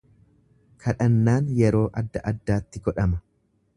Kadhannaan yeroo adda addaatti godhama.